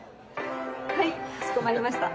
はいかしこまりました